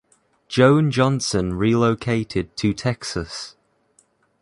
Joan Johnson relocated to Texas.